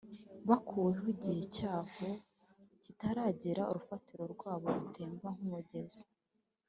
bakuweho igihe cyabo kitaragera, urufatiro rwabo rutemba nk’umugezi